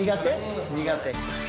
苦手？